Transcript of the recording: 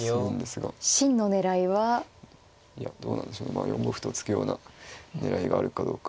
まあ４五歩と突くような狙いがあるかどうか。